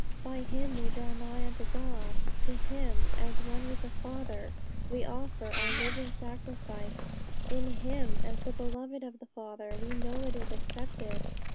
By Him we draw nigh unto God; to Him, as one with the Father, we offer our living sacrifice; in Him, as the Beloved of the Father, we know it is accepted.